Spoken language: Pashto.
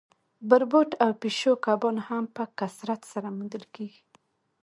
بربوټ او پیشو کبان هم په کثرت سره موندل کیږي